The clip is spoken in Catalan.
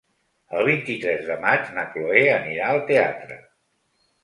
El vint-i-tres de maig na Cloè anirà al teatre.